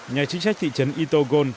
nhà chính sách thị trấn itogon